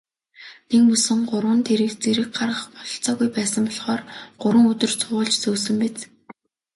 Нэгмөсөн гурван тэрэг зэрэг гаргах бололцоогүй байсан болохоор гурван өдөр цувуулж зөөсөн биз.